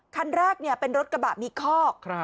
คันแรกเนี่ยเป็นรถกระบะมีคอกครับ